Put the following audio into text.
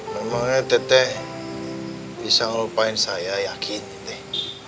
memangnya teh teh bisa ngelupain saya yakin teh